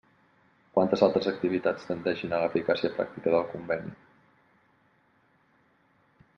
Quantes altres activitats tendeixin a l'eficàcia pràctica del Conveni.